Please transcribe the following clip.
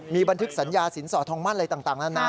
มีบันทึกสัญญาสินสอดทองมั่นอะไรต่างนานา